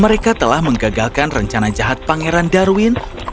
mereka telah menggagalkan rencana jahat pangeran darwin ke selatan